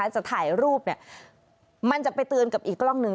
จะถ่ายรูปมันจะไปเตือนกับอีกกล้องหนึ่ง